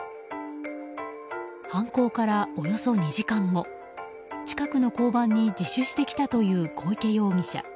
犯行からおよそ２時間後近くの交番に自首してきたという小池容疑者。